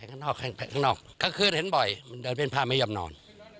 มันทั้งคืนเห็นบ่อยมันเดินเป็นพาไม่หลับนอน